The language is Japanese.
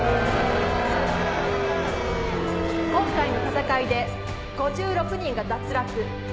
今回の戦いで５６人が脱落。